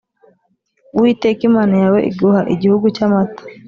Uwiteka imana yawe iguha igihugu cy amata